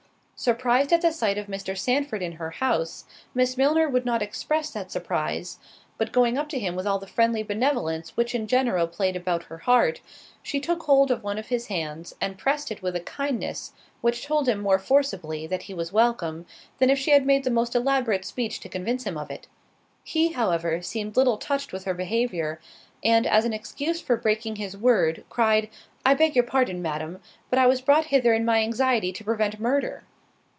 Surprised at the sight of Mr. Sandford in her house, Miss Milner would not express that surprise, but going up to him with all the friendly benevolence which in general played about her heart, she took hold of one of his hands, and pressed it with a kindness which told him more forcibly that he was welcome, than if she had made the most elaborate speech to convince him of it. He, however, seemed little touched with her behaviour, and as an excuse for breaking his word, cried, "I beg your pardon, madam, but I was brought hither in my anxiety to prevent murder."